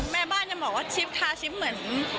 แม่บ้านยังบอกว่าชิปทาชิปเหมือน